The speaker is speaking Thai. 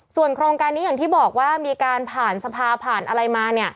ส่วนโครงการนี้อย่างที่บอกว่ามีการผ่านสภาผ่านอะไรมา